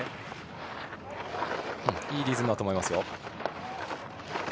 いいリズムだと思います。